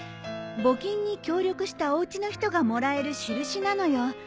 募金に協力したおうちの人がもらえる印なのよ。